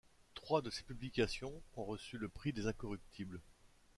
Trois de ses publications ont reçu le Prix des Incorruptibles.